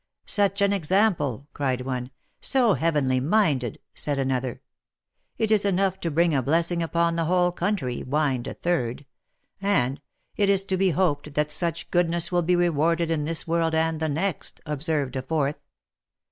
* Such an example !' cried one ;' So heavenly minded !' said another ;' It is enough to bring a blessing upon the whole country,' whined a third ; and, ' It is to be hoped that such goodness will be rewarded in this world and the next,' observed a fourth.